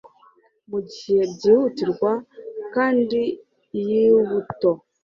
Mugihe byihutirwa, kanda iyi buto.